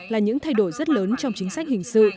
là những thay đổi rất lớn trong chính sách hình sự